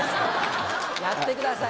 やってください。